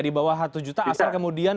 di bawah satu juta asal kemudian